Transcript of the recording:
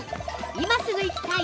今すぐ行きたい！